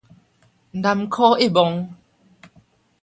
南柯一夢